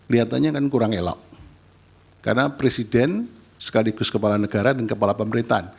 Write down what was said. lihatannya kan kurang elok karena presiden sekaligus kepala negara dan kepala pemerintahan